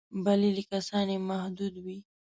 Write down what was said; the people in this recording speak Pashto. بللي کسان یې محدود وي.